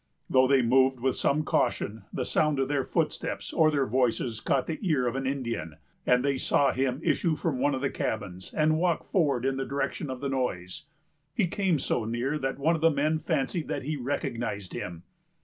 Though they moved with some caution, the sound of their footsteps or their voices caught the ear of an Indian; and they saw him issue from one of the cabins, and walk forward in the direction of the noise. He came so near that one of the men fancied that he recognized him.